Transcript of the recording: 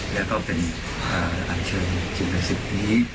และเป็นอับเชิญจิตศิษฐ์นี้